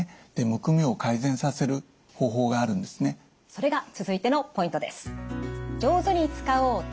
それが続いてのポイントです。